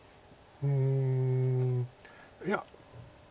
うんいや。